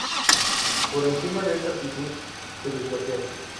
Por encima de esa altitud se desbloquean.